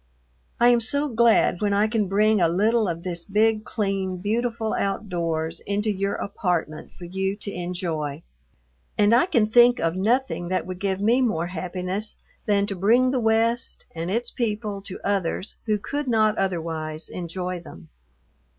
I am so glad when I can bring a little of this big, clean, beautiful outdoors into your apartment for you to enjoy, and I can think of nothing that would give me more happiness than to bring the West and its people to others who could not otherwise enjoy them.